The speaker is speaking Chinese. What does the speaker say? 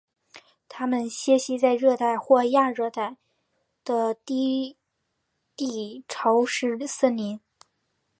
它们栖息在热带或亚热带的低地潮湿森林。